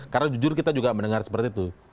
karena jujur kita juga mendengar seperti itu